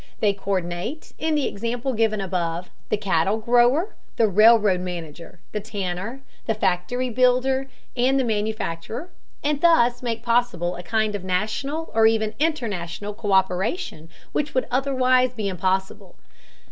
They co÷rdinate, in the example given above, the cattle grower, the railroad manager, the tanner, the factory builder, and the manufacturer, and thus make possible a kind of national or even international co÷peration which would otherwise be impossible.